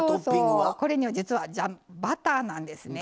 実はバターなんですね。